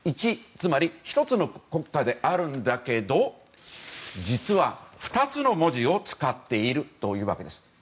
１、つまり１つの国家であるんだけど実は、２つの文字を使っているということです。